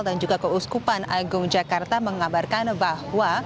dan juga keuskupan agung jakarta mengabarkan bahwa